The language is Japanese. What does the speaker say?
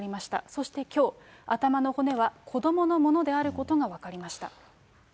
そしてきょう、頭の骨は子どものものであることが分かりました。